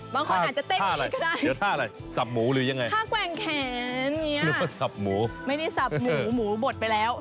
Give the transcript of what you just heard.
ไม่ได้ทรัพย์หมูหมูบดไปแล้ว